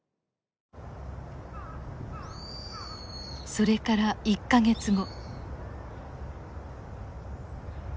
それから１か月後。